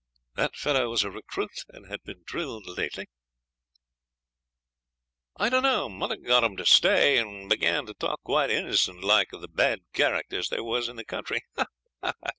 'That fellow was a recruit, and had been drilled lately.' 'I d'no. Mother got 'em to stay, and began to talk quite innocent like of the bad characters there was in the country. Ha! ha!